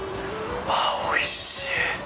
おいしい！